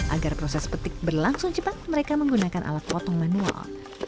agar proses petik berlangsung cepat mereka menggunakan alat potong manual